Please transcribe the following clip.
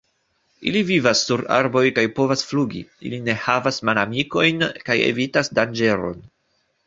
Ili vivas sur arboj kaj povas flugi, ili ne havas malamikojn kaj evitas danĝeron.